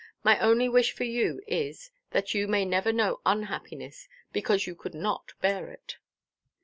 My only wish for you is, that you may never know unhappiness, because you could not bear it."